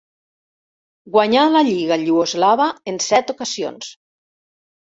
Guanyà la Lliga iugoslava en set ocasions.